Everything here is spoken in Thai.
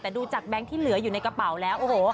แต่ดูจากแบงค์ที่เหลืออยู่ในกระเป๋าแล้วโอ้โห